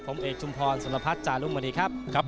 สวัสดีครับกลับมาว่ากันต่อกับความมั่นของศึกยอดมวยไทยรัฐนะครับ